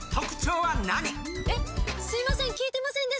えっすいません。